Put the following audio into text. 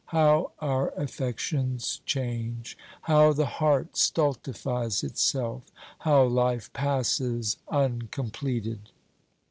How our affections change ! How the heart stultifies itself! How life passes uncompleted